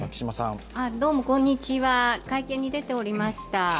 こんにちは会見に出ておりました。